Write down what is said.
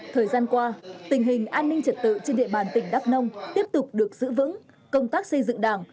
thời gian qua tình hình an ninh trật tự trên địa bàn tỉnh đắk nông tiếp tục được giữ vững công tác xây dựng đảng